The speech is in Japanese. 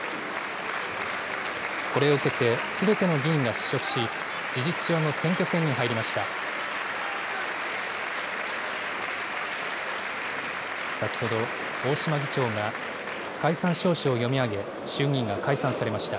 これを受けて、すべての議員が失職し、事実上の選挙戦に入りました。